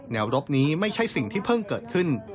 วรบนี้ไม่ใช่สิ่งที่เพิ่งเกิดขึ้น